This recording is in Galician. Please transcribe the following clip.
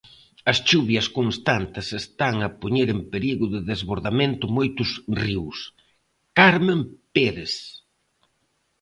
As chuvias constantes están a poñer en perigo de desbordamento moitos ríos, Carmen Pérez.